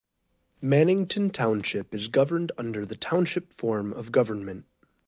Mannington Township is governed under the Township form of government.